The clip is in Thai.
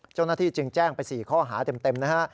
เจ้าหน้าที่จึงแจ้งไป๔ข้อหาเต็มนะฮะ